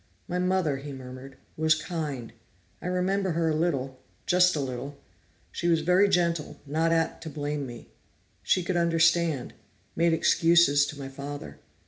"My mother," he murmured, "was kind. I remember her a little, just a little. She was very gentle, not apt to blame me. She could understand. Made excuses to my father.